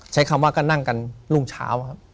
ใช้คำว่าก็นั่งกันรุ่งเช้าครับ